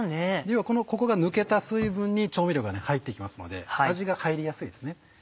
要はここが抜けた水分に調味料が入って行きますので味が入りやすいですね。